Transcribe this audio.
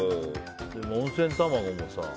温泉卵もさ。